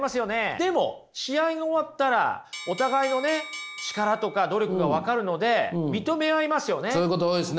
でも試合が終わったらお互いの力とか努力が分かるのでそういうこと多いですよね。